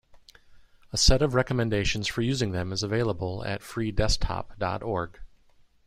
A set of recommendations for using them is available at freedesktop dot org.